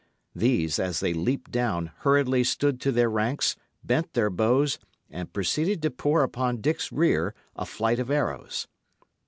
These, as they leaped down, hurriedly stood to their ranks, bent their bows, and proceeded to pour upon Dick's rear a flight of arrows.